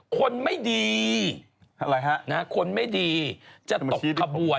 คนไม่ดีคนไม่ดีจะตกขบวน